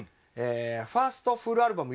ファーストフルアルバム